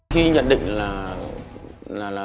khi nhận định là